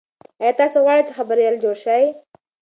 ایا تاسي غواړئ چې خبریال جوړ شئ؟